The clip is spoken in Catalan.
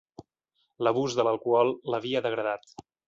L'abús de l'alcohol l'havia degradat.